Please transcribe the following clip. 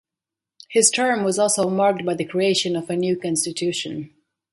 His term was also marked by the creation of a new Constitution.